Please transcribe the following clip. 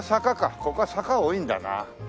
ここは坂多いんだな。